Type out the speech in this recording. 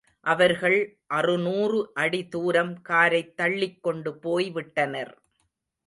அவர்கள் அறுநூறு அடி தூரம் காரைத் தள்ளிக்கொண்டுபோய் விட்டனர்.